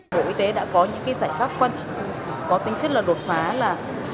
bộ y tế đã có những giải pháp có tính chất là đột phá là